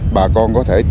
bà con có thể tham gia